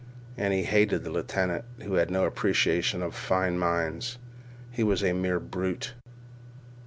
And he hated the lieutenant, who had no appreciation of fine minds. He was a mere brute.